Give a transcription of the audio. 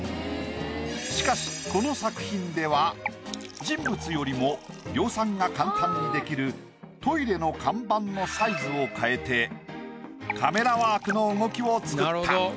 しかしこの作品では人物よりも量産が簡単にできるトイレの看板のサイズを変えてカメラワークの動きを作った。